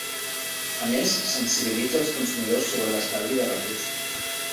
A més, sensibilitza els consumidors sobre l'estalvi de recursos.